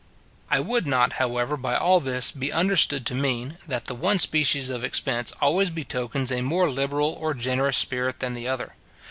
I would not, however, by all this, be understood to mean, that the one species of expense always betokens a more liberal or generous spirit than the other.